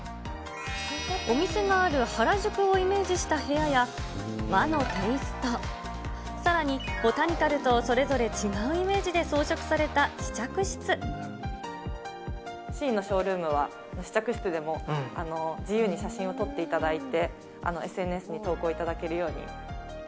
お店がある原宿をイメージした部屋や、和のテイスト、さらにボタニカルと、それぞれ違うイメージで装飾シーインのショールームは、試着室でも自由に写真を撮っていただいて、ＳＮＳに投稿いただけるように。